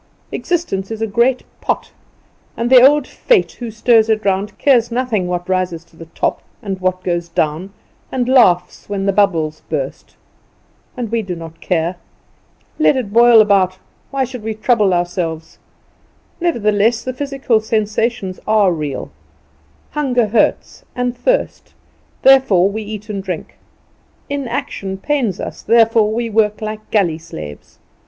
Existence is a great pot, and the old Fate who stirs it round cares nothing what rises to the top and what goes down, and laughs when the bubbles burst. And we do not care. Let it boil about. Why should we trouble ourselves? Nevertheless the physical sensations are real. Hunger hurts, and thirst, therefore we eat and drink: inaction pains us, therefore we work like galley slaves.